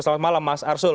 selamat malam mas arsul